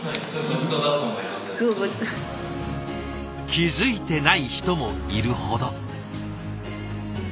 気付いてない人もいるほど。